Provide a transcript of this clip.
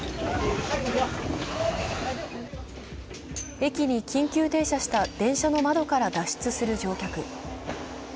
駅に緊急停車した電車の窓から脱出する乗客。